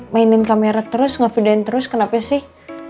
mainin kamera terus ngefudain terus kenapa sih